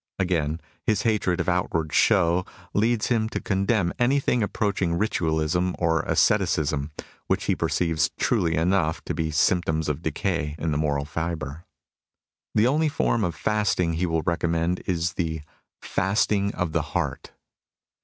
Again, his hatred of outward show leads him to condemn anything approaching ritualism or asceticism, which he perceives truly enough to be symptoms of decay in the moral fibre. The only form of fasting he will recommend is the " fasting of the heart.'